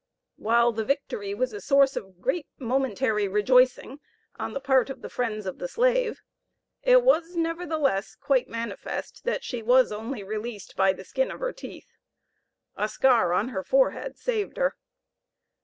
While the victory was a source of great momentary rejoicing on the part of the friends of the slave it was nevertheless quite manifest that she was only released by the "skin of her teeth." "A scar on her forehead" saved her.